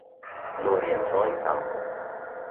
Non rientrò in campo.